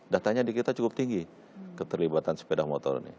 datanya di kita cukup tinggi keterlibatan sepeda motor ini